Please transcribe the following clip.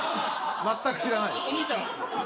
全く知らないです